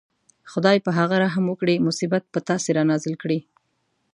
خدای په هغه رحم وکړي مصیبت په تاسې رانازل کړي.